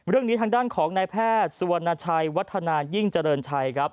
เรื่องนี้ทางด้านของนายแพทย์สุวรรณชัยวัฒนายิ่งเจริญชัยครับ